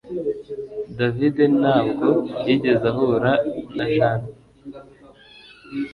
David ntabwo yigeze ahura na Jane